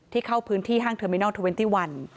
ที่เข้าพื้นที่ห้างเทอร์มินัล๒๑